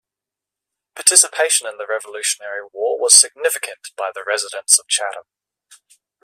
Participation in the Revolutionary War was significant by the residents of Chatham.